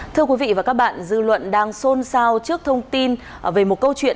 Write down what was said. thưa quý vị và các bạn dư luận đang xôn xao trước thông tin về một câu chuyện